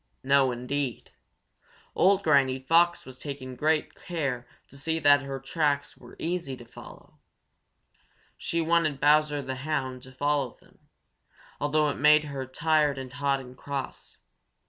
No, indeed! Old Granny Fox was taking great care to see that her tracks were easy to follow. She wanted Bowser the Hound to follow them, although it made her tired and hot and cross.